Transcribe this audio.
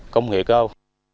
công nghệ cao